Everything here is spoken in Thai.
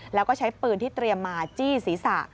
แล้วก็ใช้ปืนที่เตรียมมาจี้ศีรษะ